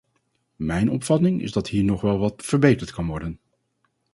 Mijn opvatting is dat hier nog wel wat verbeterd kan worden.